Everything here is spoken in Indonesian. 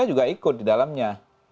juga ikut di dalamnya